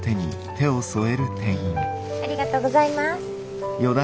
ありがとうございます。